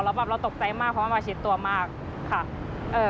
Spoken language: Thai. แล้วแบบเราตกใจมากเพราะว่ามาชิดตัวมากค่ะ